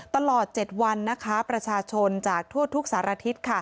ตลอด๗วันประชาชนจากทั่วทุกสารทิศ